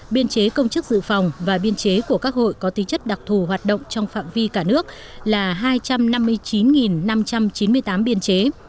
biên chế công chức dự phòng và biên chế của các hội có tính chất đặc thù hoạt động trong phạm vi cả nước là hai trăm năm mươi chín năm trăm chín mươi tám biên chế